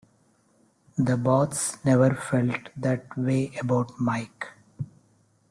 The bots never felt that way about Mike.